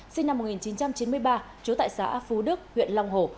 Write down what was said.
sinh năm một nghìn chín trăm chín mươi ba trú tại xã phú đức huyện long hồ